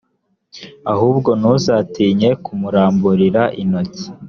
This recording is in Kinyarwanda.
ahubwo ntuzatinye kumuramburira intoki,